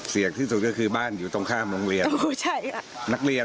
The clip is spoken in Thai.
ที่สุดก็คือบ้านอยู่ตรงข้ามโรงเรียนนักเรียน